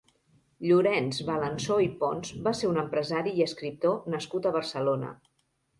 Llorenç Balanzó i Pons va ser un empresari i escriptor nascut a Barcelona.